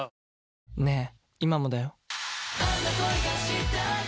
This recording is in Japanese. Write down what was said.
「ねぇ、今もだよ」。